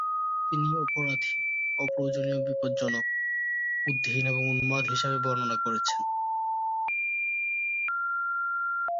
তিনি "অপরাধী, অপ্রয়োজনীয়, বিপজ্জনক, বুদ্ধিহীন এবং উন্মাদ" হিসাবে বর্ণনা করেছেন।